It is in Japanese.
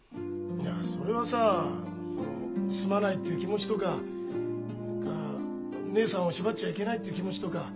いやそれはさ「すまない」っていう気持ちとか「義姉さんを縛っちゃいけない」っていう気持ちとか。